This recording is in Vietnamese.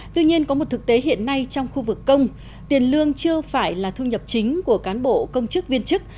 tuy nhiên có một thực tế hiện nay trong khu vực công tiền lương chưa phải là thu nhập chính của cán bộ công chức viên chức